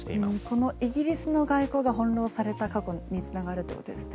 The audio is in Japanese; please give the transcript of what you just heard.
このイギリスの外交が翻ろうされた過去につながるってことですね。